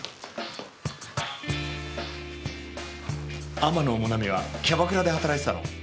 天野もなみはキャバクラで働いてたの？